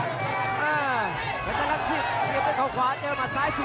อ้าวแบทเตอร์เล็กสิบเดี๋ยวเป็นขวาเจอหมัดซ้ายส่วน